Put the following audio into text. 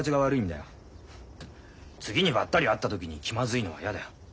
次にバッタリ会った時に気まずいのは嫌だよ。